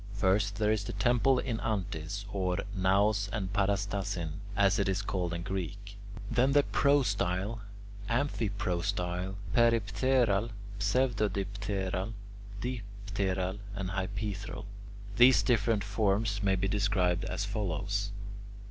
First there is the temple in antis, or [Greek: naos en parastasin] as it is called in Greek; then the prostyle, amphiprostyle, peripteral, pseudodipteral, dipteral, and hypaethral. These different forms may be described as follows.